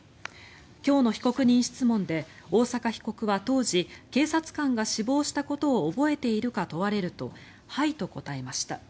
今日の被告人質問で大坂被告は当時警察官が死亡したことを覚えているか問われるとはいと答えました。